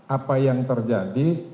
apa yang terjadi